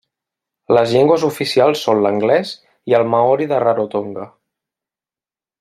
Les llengües oficials són l'anglès i el maori de Rarotonga.